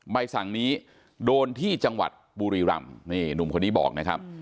ใบสั่งนี้โดนที่จังหวัดบุรีรำนี่หนุ่มคนนี้บอกนะครับ